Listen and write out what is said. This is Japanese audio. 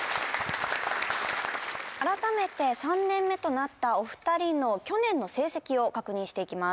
改めて３年目となったお二人の去年の成績を確認していきます